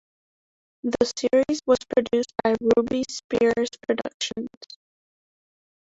The series was produced by Ruby-Spears Productions.